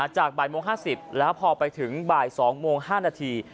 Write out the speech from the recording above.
จากบ่ายโมง๕๐แล้วพอไปถึงบ่าย๒โมง๕นาที